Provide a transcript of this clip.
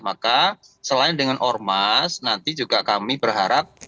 maka selain dengan ormas nanti juga kami berharap